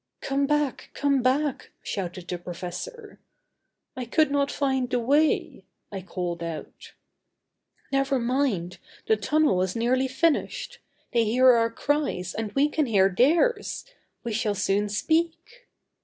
"Come back; come back," shouted the professor. "I could not find the way," I called out. "Never mind, the tunnel is nearly finished: they hear our cries and we can hear theirs. We shall soon speak."